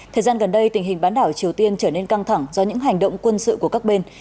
thời gian gần đây tình hình bán đảo triều tiên trở nên căng thẳng do những hành động quân sự của các bên